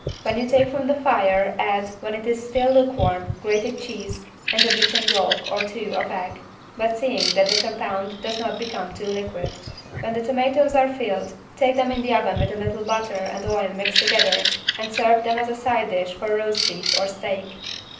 When you take from the fire add, when it is still lukewarm, grated cheese and a beaten yolk (or two) of egg, but seeing that the compound does not become too liquid. When the tomatoes are filled, take them in the oven with a little butter and oil mixed together and serve them as a side dish for roast beef or steak.